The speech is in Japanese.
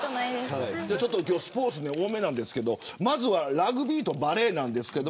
今日はスポーツ多めなんですけどまずはラグビーとバレーです。